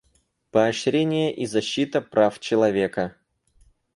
Поощрение и защита прав человека.